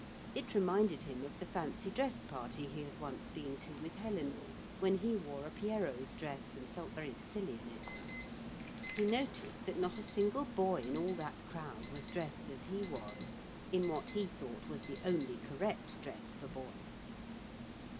It reminded him of the fancy dress party he had once been to with Helen, when he wore a Pierrot's dress and felt very silly in it. He noticed that not a single boy in all that crowd was dressed as he was in what he thought was the only correct dress for boys.